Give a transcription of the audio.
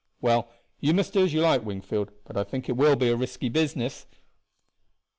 "Well, you must do as you like, Wingfield, but I think it will be a risky business."